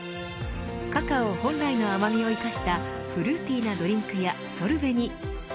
カカオ本来の甘みを生かしたフルーティーなドリンクやソルベに。